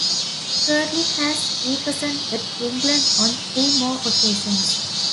Kirtley has represented England on three more occasions.